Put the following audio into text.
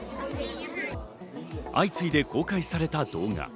相次いで公開された動画。